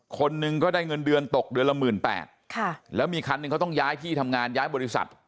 คนหนึ่งก็ได้เงินเดือนตกเดือนละหมื่นแปดค่ะแล้วมีคันหนึ่งเขาต้องย้ายที่ทำงานย้ายบริษัท